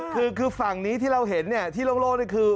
คือฝั่งนี้ที่เราเห็นที่โลกคือ